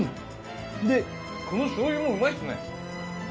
でこのしょう油もうまいっすね。